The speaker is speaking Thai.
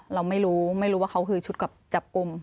เราไม่รู้ไม่รู้ว่าเขาคือชุดกับจับกลุ่ม